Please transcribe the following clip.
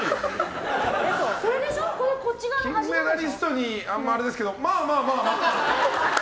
金メダリストにあれですけどまあまあ。